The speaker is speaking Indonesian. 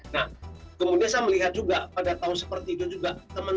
nah kemudian saya melihat juga pada tahun seperti itu juga